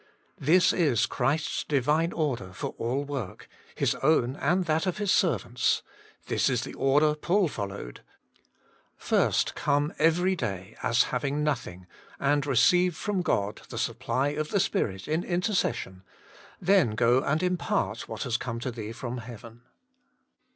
This is Christ s Divine order for all work, His own and that of His servants ; this is the order Paul followed : first come every day, as having nothing, and receive from God " the supply of the Spirit " in interces sion then go and impart what has come to thee from heaven.